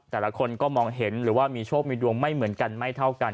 แต่ละคนก็มองเห็นหรือว่ามีโชคมีดวงไม่เหมือนกันไม่เท่ากัน